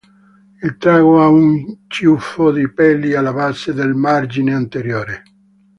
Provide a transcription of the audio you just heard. Il trago ha un ciuffo di peli alla base del margine anteriore.